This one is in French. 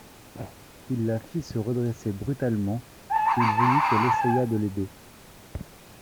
Il la fit se redresser brutalement, il voulut qu’elle essayât de l’aider.